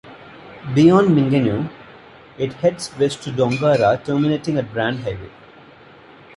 Beyond Mingenew, it heads west to Dongara, terminating at Brand Highway.